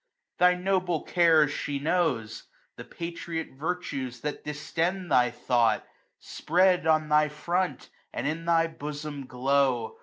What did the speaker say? Thy noble cares she knows. The patriot virtues that distend thy thought, Spread on thy front, and in thy bosom glow.